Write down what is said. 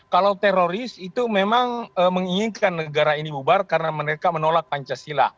kalau teroris itu memang menginginkan negara ini bubar karena mereka menolak pancasila